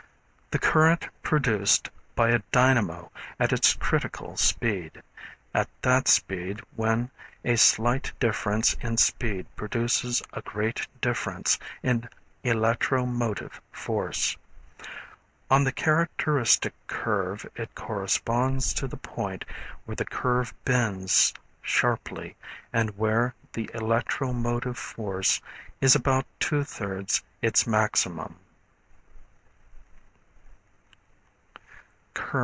The current produced by a dynamo at its critical speed; at that speed when a slight difference in speed produces a great difference in electro motive force. On the characteristic curve it corresponds to the point where the curve bends sharply, and where the electro motive force is about two thirds its maximum.